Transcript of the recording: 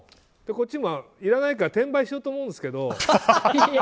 こっちもいらないから転売しようと思うんですけど。